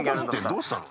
どうしたの？